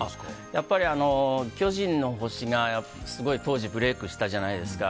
やっぱり、「巨人の星」がすごい当時ブレークしたじゃないですか。